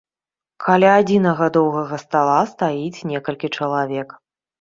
Каля адзінага доўгага стала стаіць некалькі чалавек.